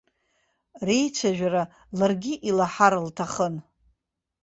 Реицәажәара ларгьы илаҳар лҭахын.